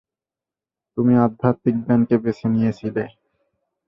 তুমি আধ্যাত্মিক জ্ঞানকে বেছে নিয়েছিলে।